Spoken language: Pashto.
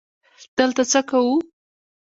_دلته څه کوو؟